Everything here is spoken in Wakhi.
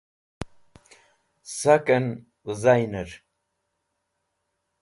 Saken Wizainer